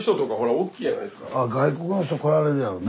あ外国の人来られるやろね。